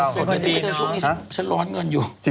ช่วงนี้ฉันร้อนเงินอยู่